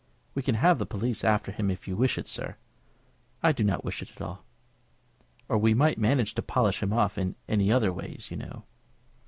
"We can have the police after him if you wish it, sir?" "I don't wish it at all." "Or we might manage to polish him off in any other way, you know."